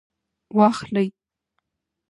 واخلئ